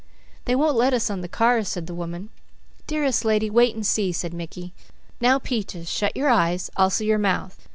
"They won't let us on the cars," said the woman. "Dearest lady, wait and see," said Mickey. "Now Peaches, shut your eyes, also your mouth.